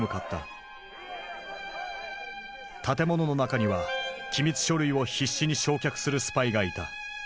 建物の中には機密書類を必死に焼却するスパイがいた。